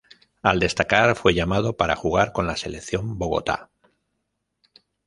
Al destacar, fue llamado para jugar con la Selección Bogotá.